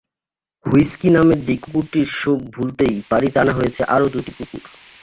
Whisky নামের সেই কুকুরটির শোক ভুলতেই বাড়িতে আনা হয়েছে আরও দুটি কুকুর।